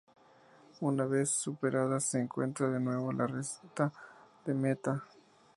Una vez superadas se encuentra de nuevo la recta de meta.